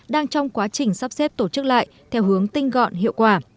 đang trong quá trình sắp xếp tổ chức lại theo hướng tinh gọn hiệu quả